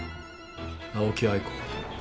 青木藍子。